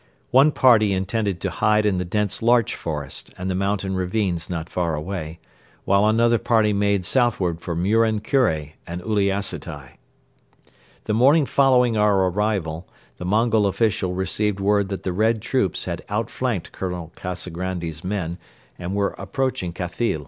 One party intended to hide in the dense larch forest and the mountain ravines not far away, while another party made southward for Muren Kure and Uliassutai. The morning following our arrival the Mongol official received word that the Red troops had outflanked Colonel Kazagrandi's men and were approaching Khathyl.